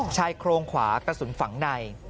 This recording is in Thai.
ชายโครงขวากระสุนฝังใน